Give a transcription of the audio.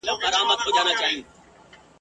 فیصلې به تل په حکم د ظالم وي ..